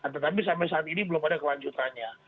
tetapi sampai saat ini belum ada kelanjutannya